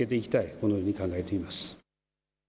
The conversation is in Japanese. このように考えております。